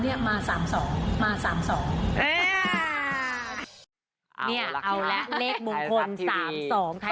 เนี้ยออกแล้วเลขมุมคน